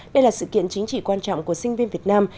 đây là sự kiện chính trị quan trọng của sinh viên việt nam